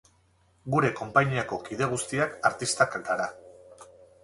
Gure konpainiako kide guztiak artistak gara.